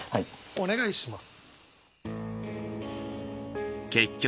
お願いします。